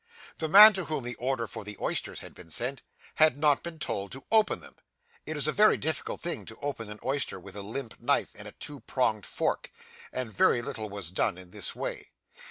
The man to whom the order for the oysters had been sent, had not been told to open them; it is a very difficult thing to open an oyster with a limp knife and a two pronged fork; and very little was done in this way.